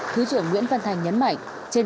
thứ trưởng nguyễn văn thành nhấn mạnh